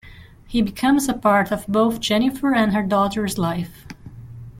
He becomes a part of both Jennifer and her daughter's life.